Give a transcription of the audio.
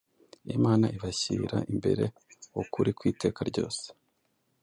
Imana ibashyira imbere ukuri kw’iteka ryose-